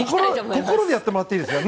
心でやってもらっていいですか？